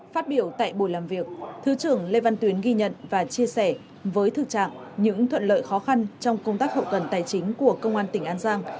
phát biểu tại buổi làm việc thứ trưởng lê văn tuyến ghi nhận và chia sẻ với thực trạng những thuận lợi khó khăn trong công tác hậu cần tài chính của công an tỉnh an giang